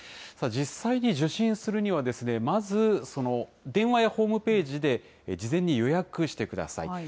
実際に受診するには、まず、電話やホームページで事前に予約してください。